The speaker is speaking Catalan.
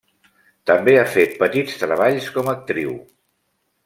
També ha fet petits treballs com a actriu.